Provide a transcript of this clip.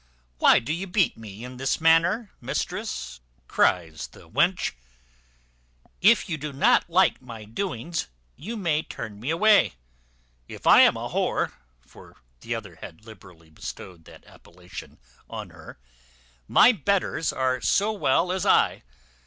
"Why do you beat me in this manner, mistress?" cries the wench. "If you don't like my doings, you may turn me away. If I am a w e" (for the other had liberally bestowed that appellation on her), "my betters are so as well as I.